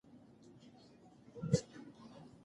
د نجونو تعليم د ګډو قوانينو درناوی زياتوي.